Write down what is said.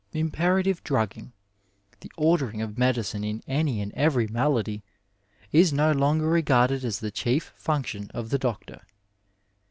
Imperative drugging — ^the ordering of medicine in any and every malady — is no longer regarded as the chief function of the doctor.